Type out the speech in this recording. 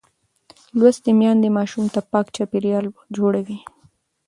لوستې میندې ماشوم ته پاک چاپېریال جوړوي.